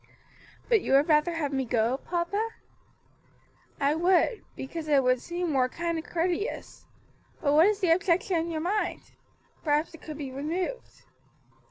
"But you would rather have me go, papa?" "I would, because it would seem more kind and courteous. But what is the objection in your mind? Perhaps it could be removed."